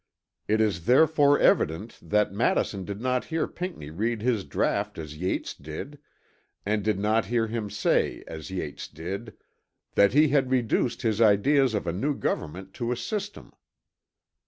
It is therefore evident that Madison did not hear Pinckney read his draught as Yates did, and did not hear him say as Yates did, "that he had reduced his ideas of a new government to a system."